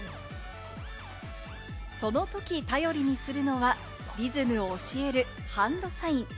そのとき頼りにするのがリズムを教えるハンドサイン。